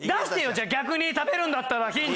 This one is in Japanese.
じゃあ逆に食べるんだったらヒント。